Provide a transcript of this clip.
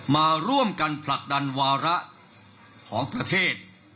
มาร่วมกันผลักดันวาระของประเทศ